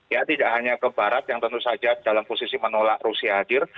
ya tidak hanya ke barat yang tentu saja dalam posisi menolak rusia hadir